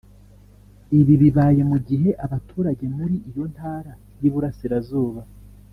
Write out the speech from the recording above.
Ibi bibaye mu gihe abaturage muri iyo ntara y’Iburasirazuba